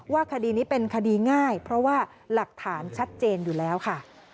คดีนี้เป็นคดีง่ายเพราะว่าหลักฐานชัดเจนอยู่แล้วค่ะ